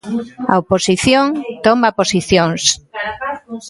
A oposición toma posicións.